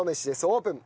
オープン。